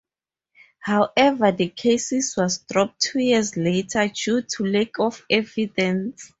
However, the case was dropped two years later due to lack of evidence.